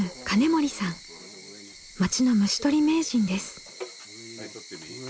町の虫捕り名人です。